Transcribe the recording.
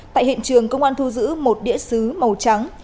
tại hiện trường công an thu giữ một đĩa xứ màu trắng